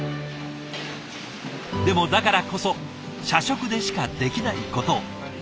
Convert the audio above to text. でもだからこそ社食でしかできないことを。